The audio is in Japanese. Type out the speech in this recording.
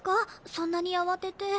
そんなに慌てて。